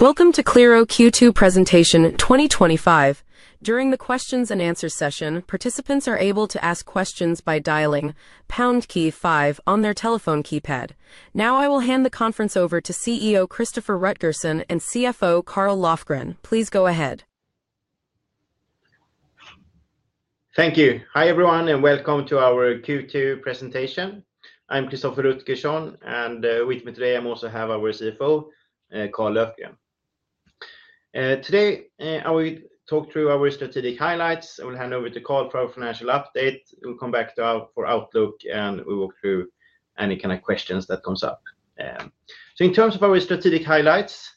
Welcome to Qliro Q2 Presentation 2025. During the questions and answers session, participants are able to ask questions by dialing pound key five on their telephone keypad. Now I will hand the conference over to CEO Christoffer Rutgersson and CFO Carl Löfgren. Please go ahead. Thank you. Hi everyone, and welcome to our Q2 presentation. I'm Christoffer Rutgersson, and with me today I also have our CFO, Carl Löfgren. Today, I will talk through our strategic highlights. I will hand over to Carl for our financial update. We'll come back to our outlook, and we'll walk through any kind of questions that come up. In terms of our strategic highlights,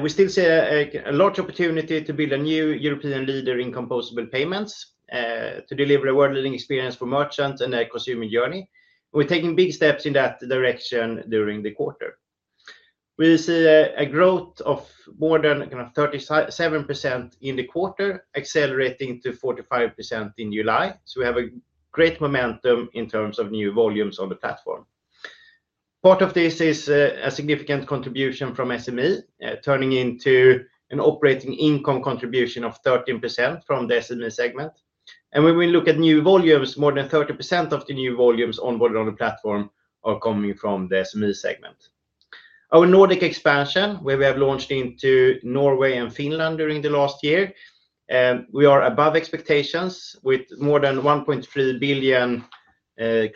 we still see a large opportunity to build a new European leader in composable payments, to deliver a world-leading experience for merchants and their consumer journey. We're taking big steps in that direction during the quarter. We see a growth of more than 37% in the quarter, accelerating to 45% in July. We have great momentum in terms of new volumes on the platform. Part of this is a significant contribution from SME, turning into an operating income contribution of 13% from the SME segment. When we look at new volumes, more than 30% of the new volumes onboarded on the platform are coming from the SME segment. Our Nordic expansion, where we have launched into Norway and Finland during the last year, is above expectations with more than 1.3 billion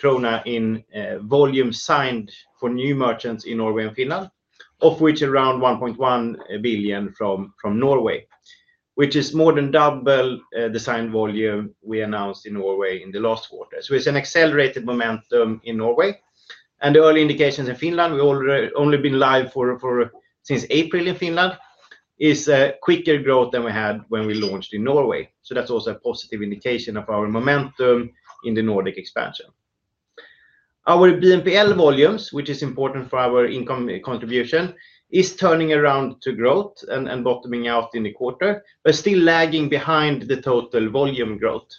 krona in volume signed for new merchants in Norway and Finland, of which around 1.1 billion from Norway, which is more than double the signed volume we announced in Norway in the last quarter. It is an accelerated momentum in Norway. The early indications in Finland, we've only been live since April in Finland, is a quicker growth than we had when we launched in Norway. That is also a positive indication of our momentum in the Nordic expansion. Our BNPL volumes, which are important for our income contribution, are turning around to growth and bottoming out in the quarter, but still lagging behind the total volume growth.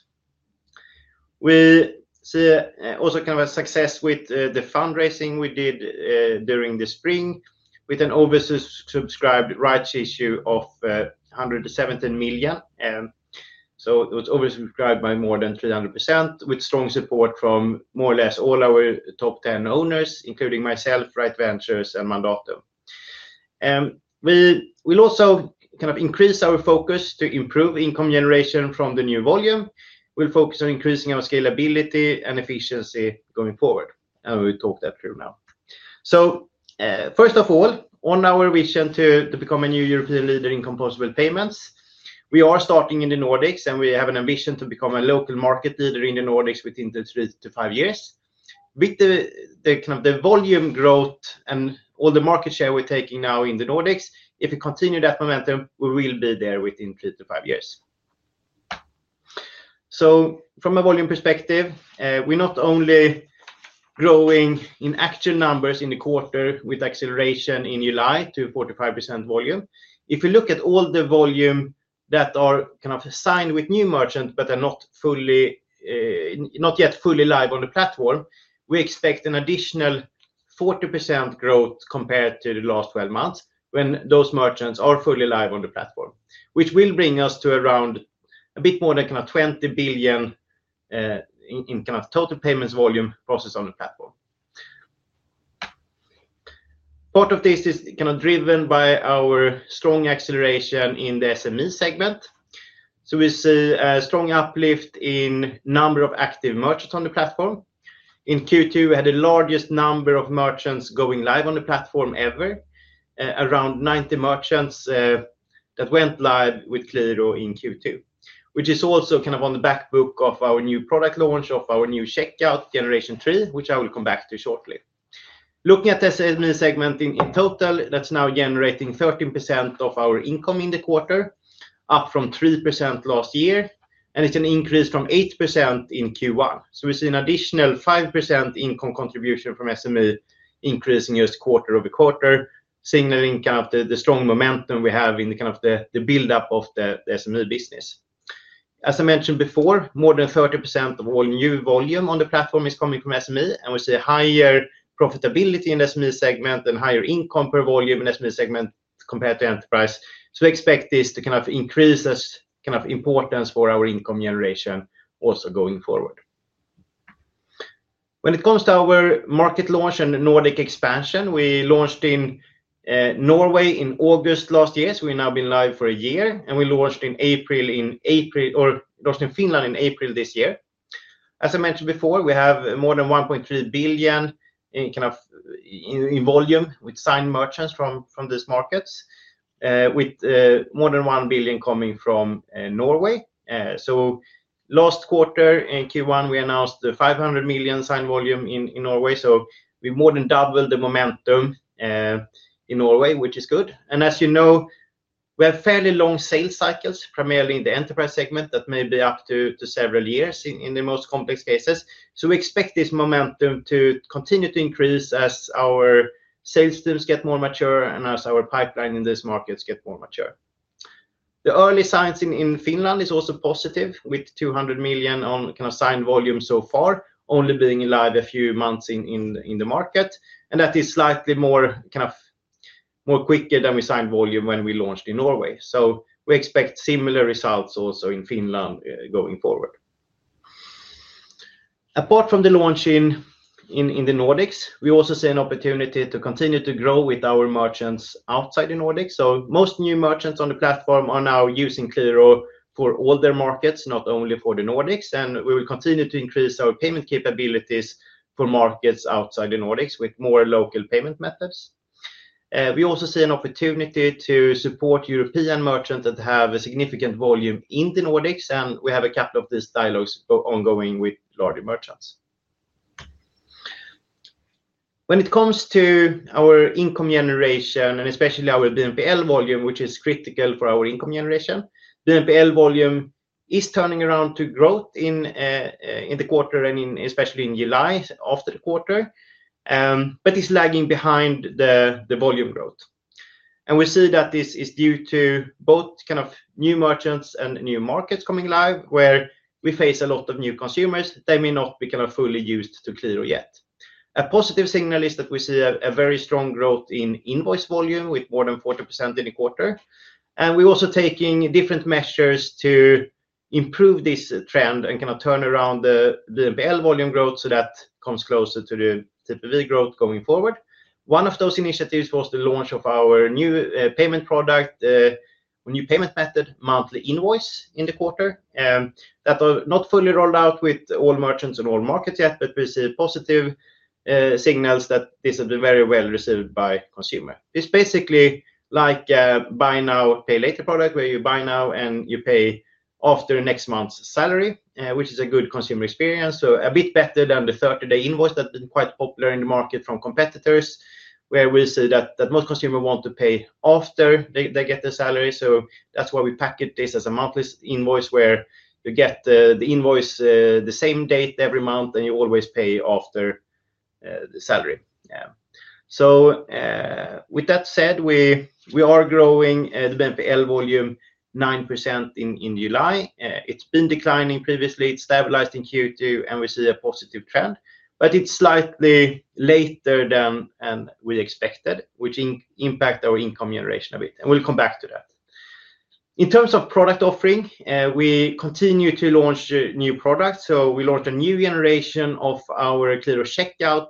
We also see a success with the fundraising we did during the spring, with an oversubscribed rights issue of 117 million. It is oversubscribed by more than 300%, with strong support from more or less all our top 10 owners, including myself, Rite Ventures, and Mandatum. We will also increase our focus to improve income generation from the new volume. We'll focus on increasing our scalability and efficiency going forward. We'll talk that through now. First of all, on our vision to become a new European leader in composable payments, we are starting in the Nordics, and we have an ambition to become a local market leader in the Nordics within the next 3-5 years. With the kind of the volume growth and all the market share we're taking now in the Nordics, if we continue that momentum, we will be there within 3-5 years. From a volume perspective, we're not only growing in actual numbers in the quarter with acceleration in July to 45% volume. If you look at all the volume that are kind of signed with new merchants, but they're not yet fully live on the platform, we expect an additional 40% growth compared to the last 12 months when those merchants are fully live on the platform, which will bring us to around a bit more than 20 billion in total payment volume processed on the platform. Part of this is driven by our strong acceleration in the SME segment. We see a strong uplift in the number of active merchants on the platform. In Q2, we had the largest number of merchants going live on the platform ever, around 90 merchants that went live with Qliro in Q2, which is also on the back book of our new product launch of our new Checkout Generation 3, which I will come back to shortly. Looking at the SME segment in total, that's now generating 13% of our income in the quarter, up from 3% last year, and it's an increase from 8% in Q1. We see an additional 5% income contribution from SME increasing just quarter-over-quarter, signaling the strong momentum we have in the build-up of the SME business. As I mentioned before, more than 30% of all new volume on the platform is coming from SME, and we see a higher profitability in the SME segment and higher income per volume in the SME segment compared to enterprise. We expect this to increase importance for our income generation also going forward. When it comes to our market launch and Nordic expansion, we launched in Norway in August last year, so we've now been live for a year, and we launched in Finland in April this year. As I mentioned before, we have more than 1.3 billion in volume with signed merchants from these markets, with more than 1 billion coming from Norway. Last quarter in Q1, we announced 500 million signed volume in Norway, so we more than doubled the momentum in Norway, which is good. As you know, we have fairly long sales cycles, primarily in the enterprise segment that may be up to several years in the most complex cases. We expect this momentum to continue to increase as our sales teams get more mature and as our pipeline in these markets gets more mature. The early signs in Finland are also positive, with 200 million on kind of signed volume so far, only being live a few months in the market. That is slightly more, kind of more quicker than we signed volume when we launched in Norway. We expect similar results also in Finland going forward. Apart from the launch in the Nordics, we also see an opportunity to continue to grow with our merchants outside the Nordics. Most new merchants on the platform are now using Qliro for all their markets, not only for the Nordics, and we will continue to increase our payment capabilities for markets outside the Nordics with more local payment methods. We also see an opportunity to support European merchants that have a significant volume in the Nordics, and we have a couple of these dialogues ongoing with larger merchants. When it comes to our income generation and especially our BNPL volume, which is critical for our income generation, BNPL volume is turning around to growth in the quarter and especially in July after the quarter, but it's lagging behind the volume growth. We see that this is due to both kind of new merchants and new markets coming live, where we face a lot of new consumers that may not be kind of fully used to Qliro yet. A positive signal is that we see a very strong growth in invoice volume with more than 40% in the quarter, and we're also taking different measures to improve this trend and kind of turn around the BNPL volume growth so that it comes closer to the TPV growth going forward. One of those initiatives was the launch of our new payment product, a new payment method, monthly invoice in the quarter. That was not fully rolled out with all merchants and all markets yet, but we see positive signals that this has been very well received by consumers. It's basically like a Buy Now, Pay Later product, where you buy now and you pay after next month's salary, which is a good consumer experience. A bit better than the 30-day invoice that's been quite popular in the market from competitors, where we see that most consumers want to pay after they get their salary. That's why we package this as a monthly invoice where you get the invoice the same date every month and you always pay after the salary. With that said, we are growing the BNPL volume 9% in July. It's been declining previously, it's stabilized in Q2, and we see a positive trend, but it's slightly later than we expected, which impacts our income generation a bit, and we'll come back to that. In terms of product offering, we continue to launch new products. We launched a new generation of our Qliro Checkout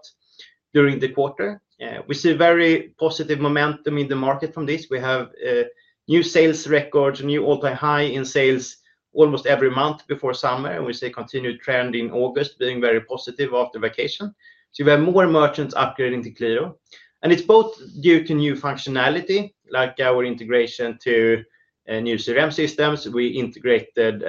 during the quarter. We see very positive momentum in the market from this. We have new sales records, new all-time high in sales almost every month before summer, and we see a continued trend in August being very positive after vacation. We have more merchants upgrading to Qliro, and it's both due to new functionality like our integration to new CRM systems. We integrated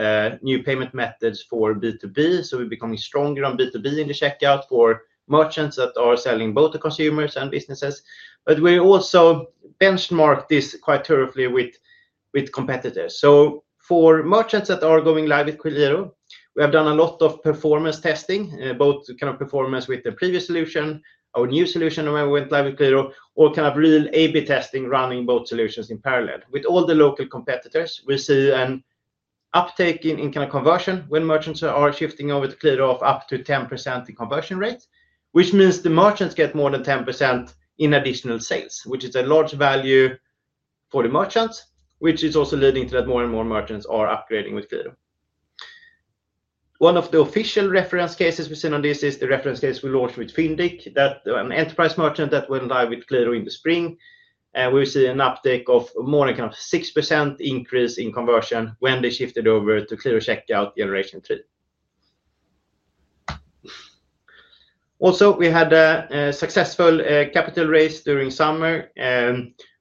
new payment methods for B2B, so we're becoming stronger on B2B in the checkout for merchants that are selling both to consumers and businesses. We also benchmarked this quite thoroughly with competitors. For merchants that are going live with Qliro, we have done a lot of performance testing, both kind of performance with the previous solution, our new solution when we went live with Qliro, or kind of real A/B testing running both solutions in parallel. With all the local competitors, we see an uptake in kind of conversion when merchants are shifting over to Qliro of up to 10% in conversion rates, which means the merchants get more than 10% in additional sales, which is a large value for the merchants, which is also leading to that more and more merchants are upgrading with Qliro. One of the official reference cases we've seen on this is the reference case we launched with FINDIQ, an enterprise merchant that went live with Qliro in the spring, and we see an uptake of more than kind of 6% increase in conversion when they shifted over to Qliro Checkout Generation 3. We had a successful capital raise during summer.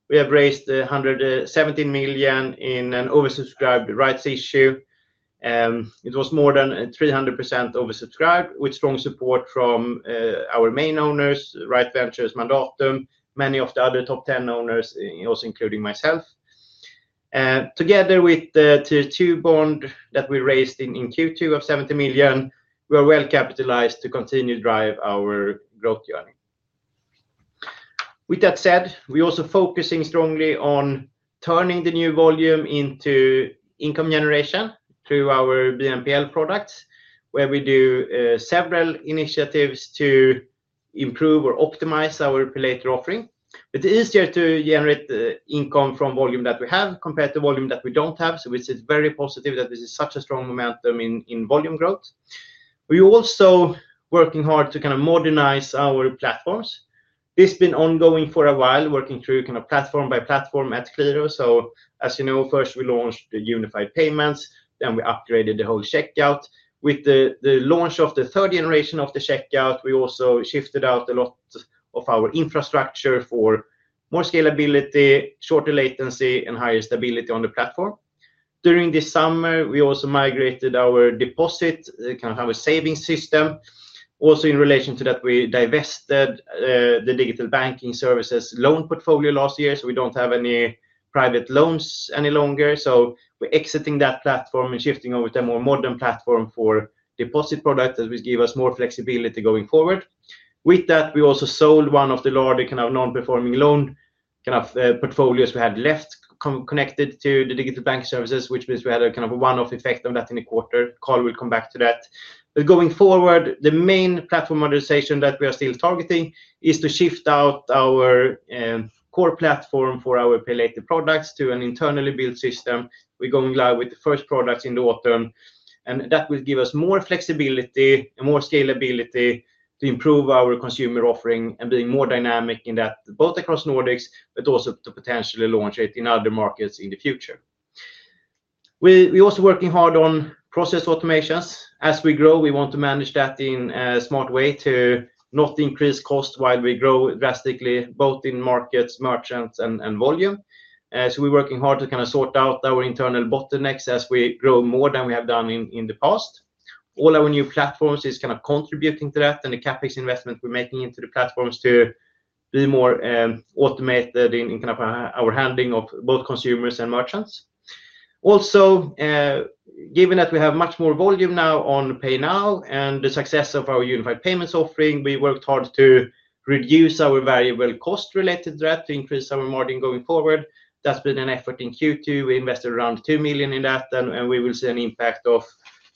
We have raised 117 million in an oversubscribed rights issue. It was more than 300% oversubscribed with strong support from our main owners, Rite Ventures, Mandatum, many of the other top 10 owners, also including myself. Together with the Tier 2 bond that we raised in Q2 of 70 million, we are well capitalized to continue to drive our growth journey. With that said, we're also focusing strongly on turning the new volume into income generation through our BNPL products, where we do several initiatives to improve or optimize our operator offering. It's easier to generate income from volume that we have compared to volume that we don't have, so it's very positive that we see such a strong momentum in volume growth. We're also working hard to kind of modernize our platforms. This has been ongoing for a while, working through kind of platform by platform at Qliro. As you know, first we launched the Unified Payments, then we upgraded the whole checkout. With the launch of the Checkout Generation 3, we also shifted out a lot of our infrastructure for more scalability, shorter latency, and higher stability on the platform. During this summer, we also migrated our deposit, kind of our savings system. Also, in relation to that, we divested the digital banking services loan portfolio last year, so we don't have any private loans any longer. We're exiting that platform and shifting over to a more modern platform for deposit products that will give us more flexibility going forward. With that, we also sold one of the larger kind of non-performing loan portfolios we had left connected to the digital banking services, which means we had a kind of a one-off effect of that in the quarter. Carl will come back to that. Going forward, the main platform modernization that we are still targeting is to shift out our core platform for our Pay Later products to an internally built system. We're going live with the first products in the autumn, and that will give us more flexibility and more scalability to improve our consumer offering and being more dynamic in that, both across Nordics, but also to potentially launch it in other markets in the future. We're also working hard on process automations. As we grow, we want to manage that in a smart way to not increase cost while we grow drastically, both in markets, merchants, and volume. We're working hard to kind of sort out our internal bottlenecks as we grow more than we have done in the past. All our new platforms are kind of contributing to that, and the CapEx investment we're making into the platforms to be more automated in kind of our handling of both consumers and merchants. Also, given that we have much more volume now on Pay Now and the success of our Unified Payments offering, we worked hard to reduce our variable cost-related threat to increase our margin going forward. That's been an effort in Q2. We invested around 2 million in that, and we will see an impact of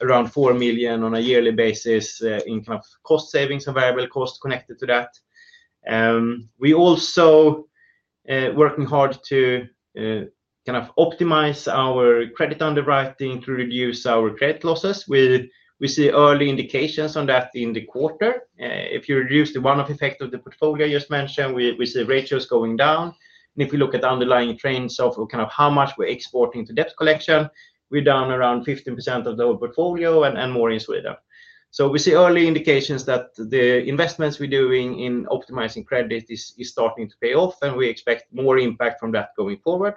around 4 million on a yearly basis in cost savings and variable costs connected to that. We're also working hard to optimize our credit underwriting to reduce our credit losses. We see early indications on that in the quarter. If you reduce the one-off effect of the portfolio I just mentioned, we see ratios going down. If you look at the underlying trends of how much we're exporting to debt collection, we're down around 15% of the portfolio and more in Sweden. We see early indications that the investments we're doing in optimizing credit are starting to pay off, and we expect more impact from that going forward.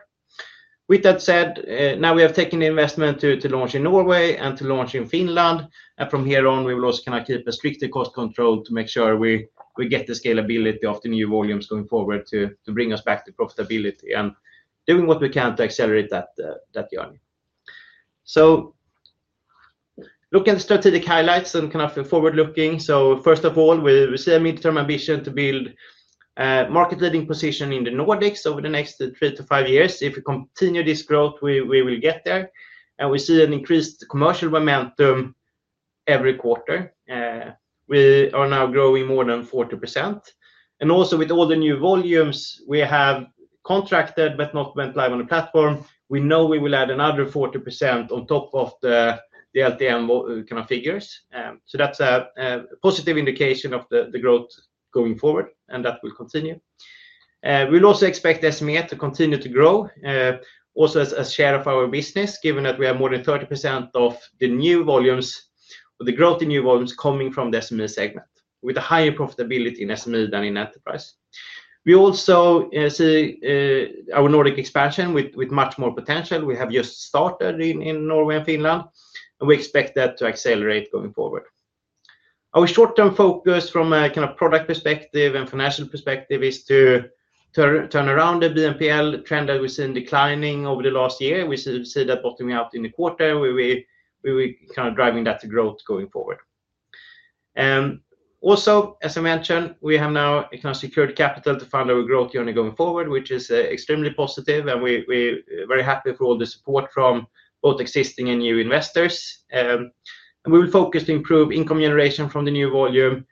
With that said, now we have taken the investment to launch in Norway and to launch in Finland. From here on, we will also keep a strict cost control to make sure we get the scalability of the new volumes going forward to bring us back to profitability and doing what we can to accelerate that journey. Looking at the strategic highlights and forward looking, first of all, we see a mid-term ambition to build a market-leading position in the Nordics over the next 3-5 years. If we continue this growth, we will get there. We see an increased commercial momentum every quarter. We are now growing more than 40%. Also, with all the new volumes we have contracted but not went live on the platform, we know we will add another 40% on top of the LTM figures. That's a positive indication of the growth going forward, and that will continue. We will also expect SME to continue to grow, also as a share of our business, given that we have more than 30% of the growth in new volumes coming from the SME segment, with a higher profitability in SME than in enterprise. We also see our Nordic expansion with much more potential. We have just started in Norway and Finland, and we expect that to accelerate going forward. Our short-term focus from a product perspective and financial perspective is to turn around the BNPL trend that we've seen declining over the last year. We see that bottoming out in the quarter, where we're driving that growth going forward. Also, as I mentioned, we have now secured capital to fund our growth journey going forward, which is extremely positive, and we're very happy with all the support from both existing and new investors. We will focus to improve income generation from the new volume,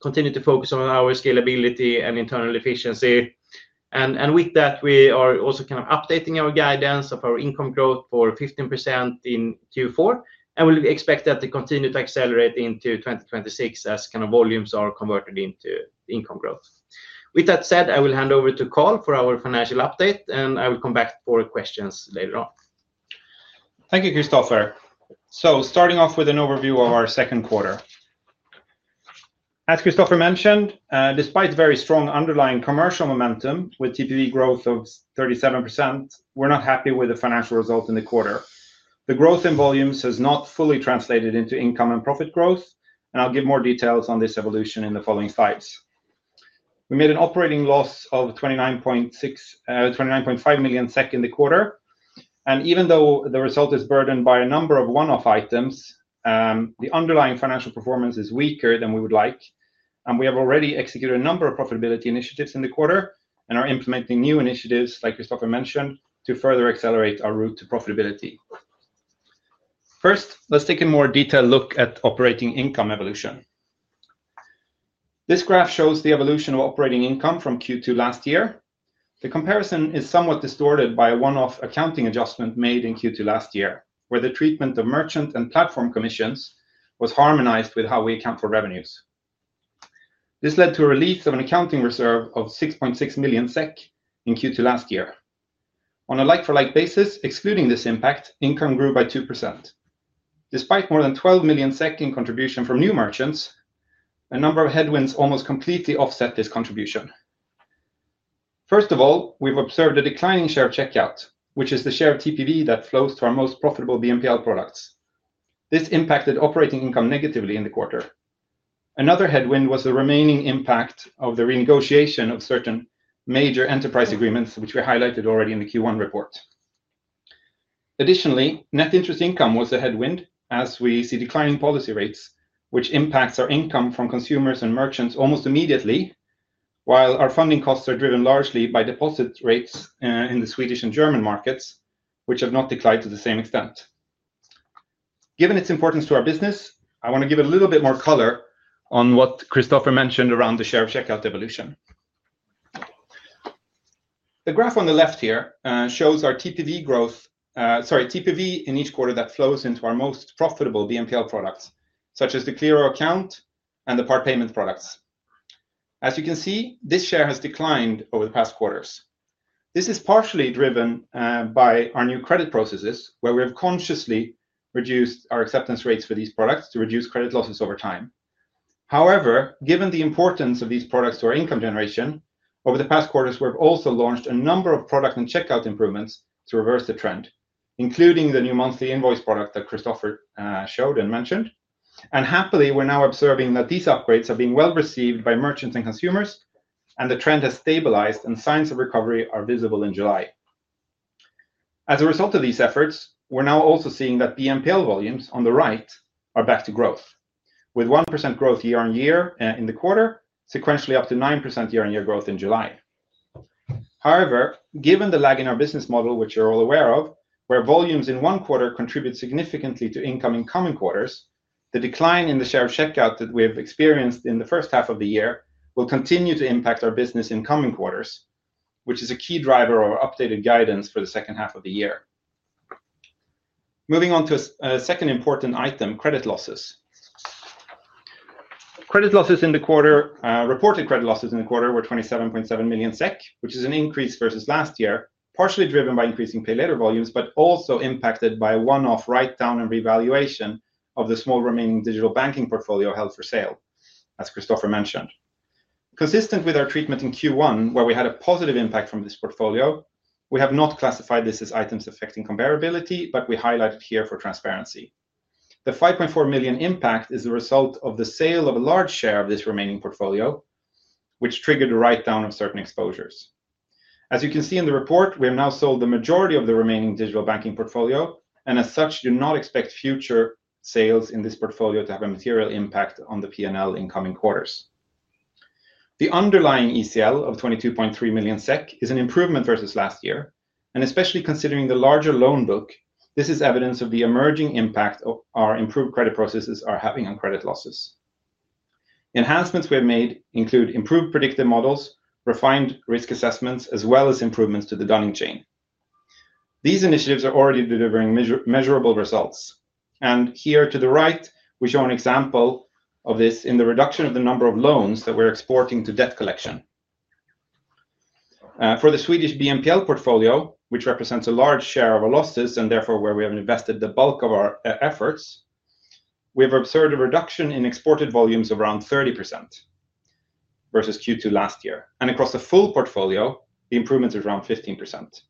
continue to focus on our scalability and internal efficiency. With that, we are also kind of updating our guidance of our income growth for 15% in Q4, and we expect that to continue to accelerate into 2026 as volumes are converted into income growth. With that said, I will hand over to Carl for our financial update, and I will come back for questions later on. Thank you, Christoffer. Starting off with an overview of our second quarter. As Christoffer mentioned, despite very strong underlying commercial momentum with TPV growth of 37%, we're not happy with the financial result in the quarter. The growth in volumes has not fully translated into income and profit growth, and I'll give more details on this evolution in the following slides. We made an operating loss of 29.5 million SEK in the quarter, and even though the result is burdened by a number of one-off items, the underlying financial performance is weaker than we would like. We have already executed a number of profitability initiatives in the quarter and are implementing new initiatives, like Christoffer mentioned, to further accelerate our route to profitability. First, let's take a more detailed look at operating income evolution. This graph shows the evolution of operating income from Q2 last year. The comparison is somewhat distorted by a one-off accounting adjustment made in Q2 last year, where the treatment of merchant and platform commissions was harmonized with how we account for revenues. This led to a release of an accounting reserve of 6.6 million SEK in Q2 last year. On a like-for-like basis, excluding this impact, income grew by 2%. Despite more than 12 million in contribution from new merchants, a number of headwinds almost completely offset this contribution. First of all, we've observed a declining share of checkout, which is the share of TPV that flows to our most profitable BNPL products. This impacted operating income negatively in the quarter. Another headwind was the remaining impact of the renegotiation of certain major enterprise agreements, which we highlighted already in the Q1 report. Additionally, net interest income was a headwind, as we see declining policy rates, which impacts our income from consumers and merchants almost immediately, while our funding costs are driven largely by deposit rates in the Swedish and German markets, which have not declined to the same extent. Given its importance to our business, I want to give a little bit more color on what Christoffer mentioned around the share of checkout evolution. The graph on the left here shows our TPV growth, sorry, TPV in each quarter that flows into our most profitable BNPL products, such as the Qliro Account and the Part Payments products. As you can see, this share has declined over the past quarters. This is partially driven by our new credit processes, where we have consciously reduced our acceptance rates for these products to reduce credit losses over time. However, given the importance of these products to our income generation, over the past quarters, we've also launched a number of product and checkout improvements to reverse the trend, including the new Monthly Invoice product that Christoffer showed and mentioned. Happily, we're now observing that these upgrades are being well received by merchants and consumers, and the trend has stabilized, and signs of recovery are visible in July. As a result of these efforts, we're now also seeing that BNPL volumes on the right are back to growth, with 1% growth year-on-year in the quarter, sequentially up to 9% year-on year-growth in July. However, given the lag in our business model, which you're all aware of, where volumes in one quarter contribute significantly to income in coming quarters, the decline in the share of checkout that we've experienced in the first half of the year will continue to impact our business in coming quarters, which is a key driver of our updated guidance for the second half of the year. Moving on to a second important item, credit losses. Credit losses in the quarter, reported credit losses in the quarter were 27.7 million SEK, which is an increase versus last year, partially driven by increasing Pay Later volumes, but also impacted by a one-off write-down and revaluation of the small remaining digital banking portfolio held for sale, as Christoffer mentioned. Consistent with our treatment in Q1, where we had a positive impact from this portfolio, we have not classified this as items affecting comparability, but we highlight it here for transparency. The 5.4 million impact is the result of the sale of a large share of this remaining portfolio, which triggered a write-down of certain exposures. As you can see in the report, we have now sold the majority of the remaining digital banking portfolio, and as such, do not expect future sales in this portfolio to have a material impact on the P&L in coming quarters. The underlying ECL of 22.3 million SEK is an improvement versus last year, and especially considering the larger loan book, this is evidence of the emerging impact our improved credit processes are having on credit losses. The enhancements we have made include improved predictive models, refined risk assessments, as well as improvements to the dunning chain. These initiatives are already delivering measurable results. Here to the right, we show an example of this in the reduction of the number of loans that we're exporting to debt collection. For the Swedish BNPL portfolio, which represents a large share of our losses and therefore where we have invested the bulk of our efforts, we've observed a reduction in exported volumes of around 30% versus Q2 last year. Across the full portfolio, the improvement is around 15%.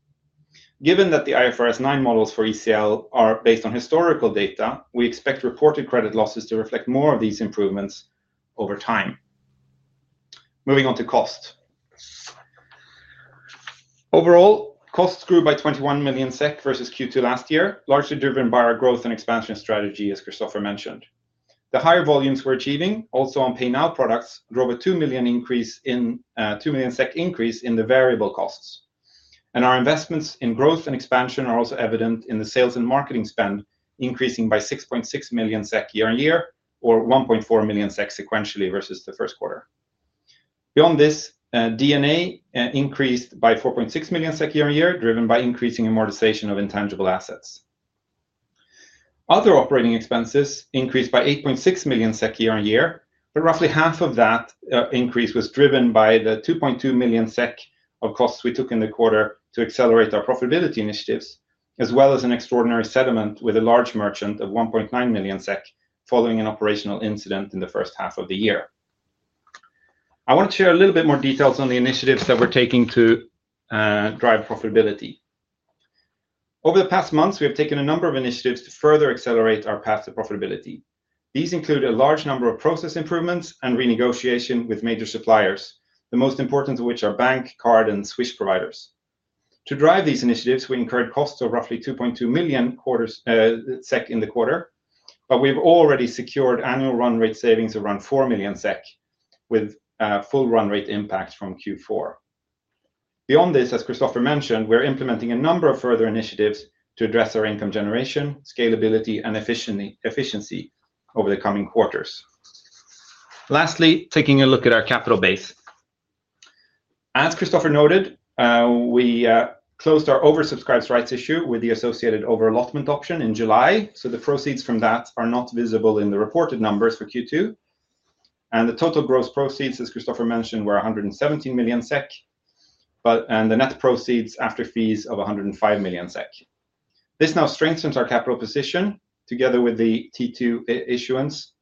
Given that the IFRS 9 models for ECL are based on historical data, we expect reported credit losses to reflect more of these improvements over time. Moving on to cost. Overall, costs grew by 21 million SEK versus Q2 last year, largely driven by our growth and expansion strategy, as Christoffer mentioned. The higher volumes we're achieving, also on Pay Now products, drove a 2 million SEK increase in the variable costs. Our investments in growth and expansion are also evident in the sales and marketing spend, increasing by 6.6 million SEK year-on-year, or 1.4 million SEK sequentially versus the first quarter. Beyond this, D&A increased by 4.6 million SEK year-on-year, driven by increasing amortization of intangible assets. Other operating expenses increased by 8.6 million SEK year-on-year, but roughly half of that increase was driven by the 2.2 million SEK of costs we took in the quarter to accelerate our profitability initiatives, as well as an extraordinary settlement with a large merchant of 1.9 million SEK following an operational incident in the first half of the year. I want to share a little bit more details on the initiatives that we're taking to drive profitability. Over the past months, we have taken a number of initiatives to further accelerate our path to profitability. These include a large number of process improvements and renegotiation with major suppliers, the most important of which are bank, card, and Swish providers. To drive these initiatives, we incurred costs of roughly 2.2 million SEK in the quarter, but we've already secured annual run-rate savings of around 4 million SEK with full run rate impact from Q4. Beyond this, as Christoffer mentioned, we're implementing a number of further initiatives to address our income generation, scalability, and efficiency over the coming quarters. Lastly, taking a look at our capital base. As Christoffer noted, we closed our oversubscribed rights issue with the associated overallotment option in July, so the proceeds from that are not visible in the reported numbers for Q2. The total gross proceeds, as Christoffer mentioned, were 117 million SEK, and the net proceeds after fees of 105 million SEK. This now strengthens our capital position, together with the Tier 2 issuance,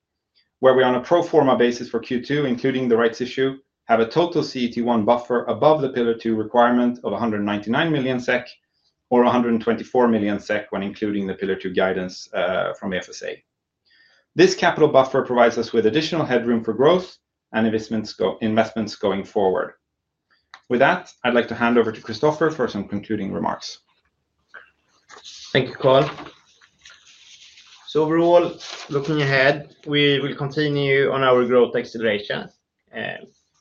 where we are on a pro forma basis for Q2, including the rights issue, have a total CET1 buffer above the Pillar 2 requirement of 199 million SEK or 124 million SEK when including the Pillar 2 guidance from FSA. This capital buffer provides us with additional headroom for growth and investments going forward. With that, I'd like to hand over to Christoffer for some concluding remarks. Thank you, Carl. Overall, looking ahead, we will continue on our growth acceleration.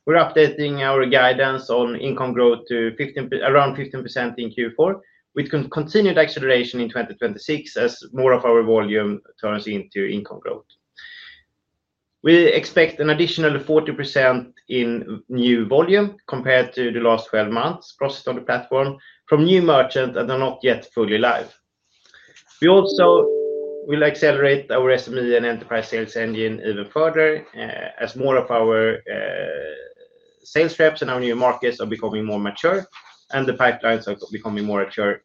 We're updating our guidance on income growth to around 15% in Q4, with continued acceleration in 2026 as more of our volume turns into income growth. We expect an additional 40% in new volume compared to the last 12 months processed on the platform from new merchants that are not yet fully live. We also will accelerate our SME and enterprise sales engine even further as more of our sales reps and our new markets are becoming more mature and the pipelines are becoming more mature.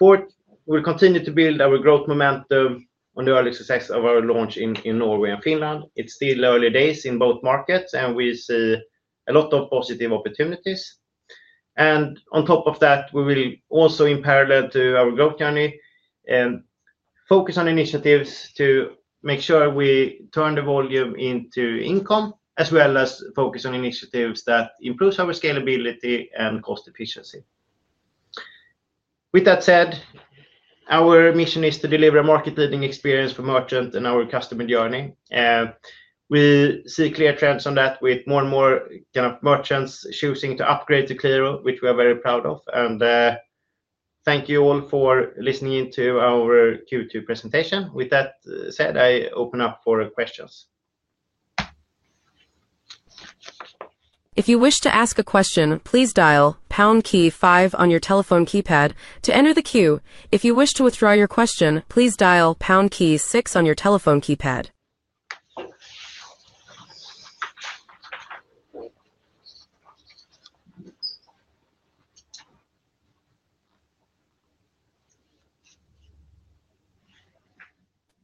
We will continue to build our growth momentum on the early success of our launch in Norway and Finland. It's still early days in both markets, and we see a lot of positive opportunities. On top of that, we will also, in parallel to our growth journey, focus on initiatives to make sure we turn the volume into income, as well as focus on initiatives that improve our scalability and cost efficiency. With that said, our mission is to deliver a market-leading experience for merchants and our customer journey. We see clear trends on that with more and more merchants choosing to upgrade to Qliro, which we are very proud of. Thank you all for listening to our Q2 presentation. With that said, I open up for questions. If you wish to ask a question, please dial pound key five on your telephone keypad to enter the queue. If you wish to withdraw your question, please dial pound key six on your telephone keypad.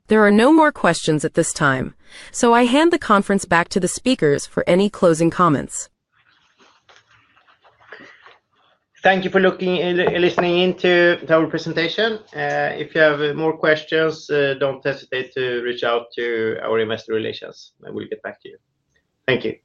There are no more questions at this time, so I hand the conference back to the speakers for any closing comments. Thank you for looking and listening in to our presentation. If you have more questions, don't hesitate to reach out to our investor relations, and we'll get back to you. Thank you.